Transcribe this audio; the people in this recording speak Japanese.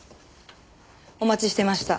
お待ちしていました。